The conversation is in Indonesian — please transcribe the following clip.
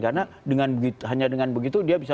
karena hanya dengan begitu dia bisa